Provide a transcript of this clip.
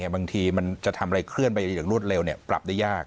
บางทีมันจะทำอะไรเคลื่อนไปอย่างรวดเร็วปรับได้ยาก